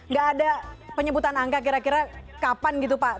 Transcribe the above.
nggak ada penyebutan angka kira kira kapan gitu pak